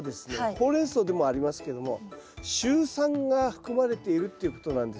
ホウレンソウでもありますけどもシュウ酸が含まれているっていうことなんですよね。